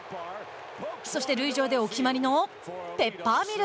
そして塁上でお決まりのペッパーミル。